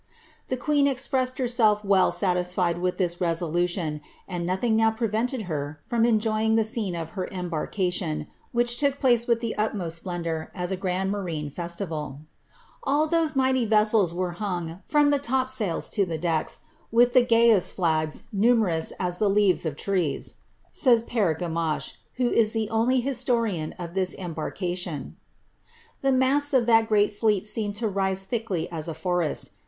^'' Fhe queen expressed herself well satisfied with this resolution, and Dothing now prevented her from enjoying the scene of her embarkation, which took place with the utmost splendour, as a grand marine festival ^ AH those mighty vessels were hung, from the topsails to the decks, with the gayest flags, numerous as the leaves of trees," says Pere Ga mache, who is the only historian of this embarkation ;^' the masts of tliat great fleet seemed to rise thickly as a forest.